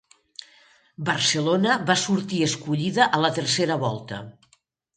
Barcelona va sortir escollida a la tercera volta.